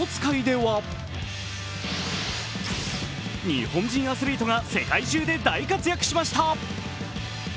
日本人アスリートが世界中で大活躍しました。